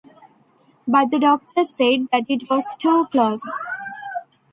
But the doctors said that it was too close.